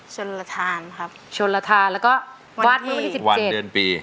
ชนระทานครับชนระทานแล้วก็วาดเมื่อวันที่๑๗วันเดือนปี